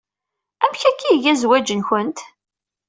Amek akka ay iga zzwaj-nwen?